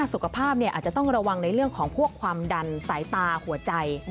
สุขภาพอาจจะต้องระวังในเรื่องของพวกความดันสายตาหัวใจ